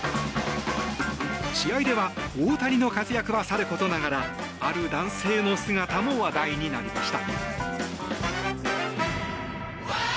試合では、大谷の活躍はさることながらある男性の姿も話題になりました。